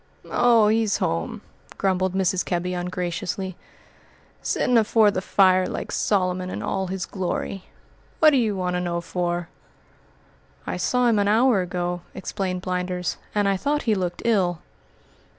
"Oh, he's home," grumbled Mrs. Kebby ungraciously, "sittin' afore the fire like Solomon in all his glory. What d'ye want to know for?" "I saw him an hour ago," explained Blinders, "and I thought he looked ill."